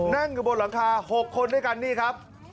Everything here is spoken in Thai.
นั่งอยู่บนหลังคา๖คนด้วยกันนี่ครับ